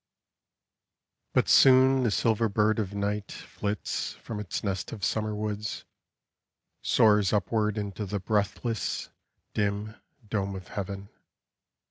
But soon the silver bird of night Flits from its nest of summer woods ; Soars upward Into the breathless, dim, dome of heaven.